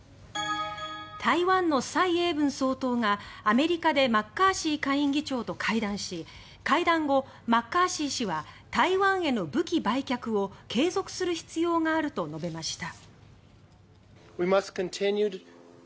台湾の蔡英文総統がアメリカでマッカーシー下院議長と会談し会談後、マッカーシー氏は台湾への武器売却を継続する必要があると述べました。